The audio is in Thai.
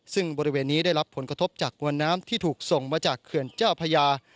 ซึ่งบริเวณนี้ได้รับผลกระทบจากมวลน้ำที่ถูกส่งมาจากเขื่อนเจ้าพญา